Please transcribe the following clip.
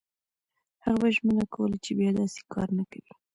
هغه به ژمنه کوله چې بیا داسې کار نه کوي.